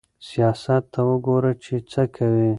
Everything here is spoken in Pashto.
سياست ته وګوره چې څه کوي.